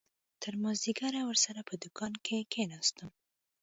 تر مازديگره ورسره په دوکان کښې کښېناستم.